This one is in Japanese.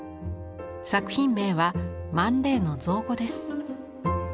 作品名はマン・レイの造語です。